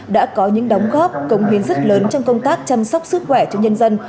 đã có những đóng góp công huyến rất lớn trong công tác chăm sóc sức khỏe cho nhân dân